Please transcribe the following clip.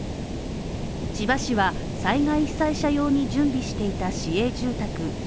千葉市は災害被災者用に準備していた市営住宅１６